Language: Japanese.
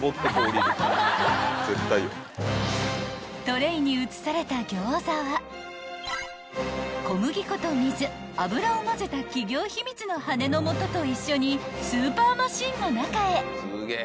［トレーに移された餃子は小麦粉と水油を混ぜた企業秘密の羽根のもとと一緒にスーパーマシンの中へ］